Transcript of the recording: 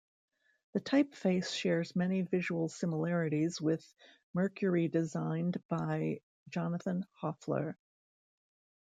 The typeface shares many visual similarities with Mercury designed by Jonathan Hoefler.